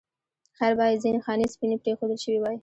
خیر باید ځینې خانې سپینې پرېښودل شوې وای.